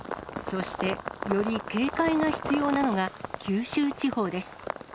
そして、より警戒が必要なのが九州地方です。